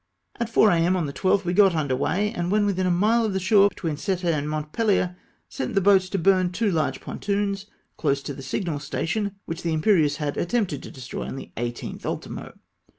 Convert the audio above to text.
At 4 A.M. on the 12th we got under weigh, and when within a mile of the shore, between Cette and Montpelher, sent the boats to burn two large pontoons, close to the signal station, which the Imperieuse had attempted to destroy on the 18th ultimo.